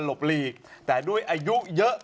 หลีกแต่ด้วยอายุเยอะ